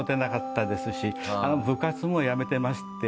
部活もやめてまして。